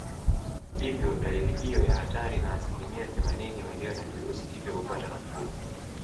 Hivyo dalili hiyo ya hatari na asilimia themanini walio na virusi hivyo hupata nafuu